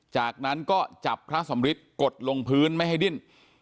จากนั้นก็จับพระสำริทกดลงพื้นไม่ให้ดิ้น